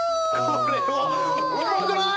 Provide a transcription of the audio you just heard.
これはウマくない？